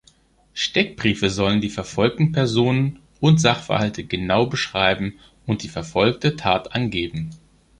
Steckbriefe sollen die verfolgten Personen und Sachverhalte genau beschreiben und die verfolgte Tat angeben.